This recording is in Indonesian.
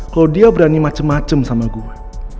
kalau dia berani macem macem sama gue